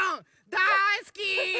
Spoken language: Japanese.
だいすき！